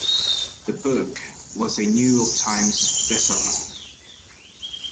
The book was a "New York Times" bestseller.